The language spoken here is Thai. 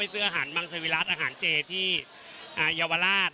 ซื้ออาหารมังสวิรัติอาหารเจที่เยาวราช